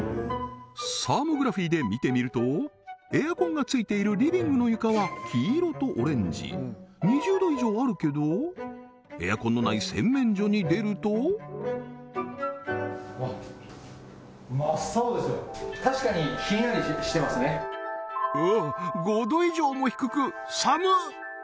サーモグラフィで見てみるとエアコンがついているリビングの床は黄色とオレンジ２０度以上あるけどエアコンのないしてますねおお５度以上も低く寒っ！